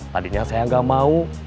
tadinya saya enggak mau